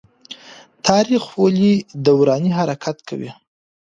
تاريخ ولي دوراني حرکت کوي؟